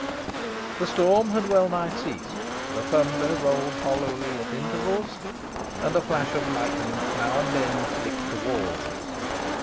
The storm had wellnigh ceased, the thunder rolled hollowly at intervals, and a flash of lightning now and then licked the walls.